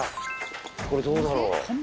これどうだろう？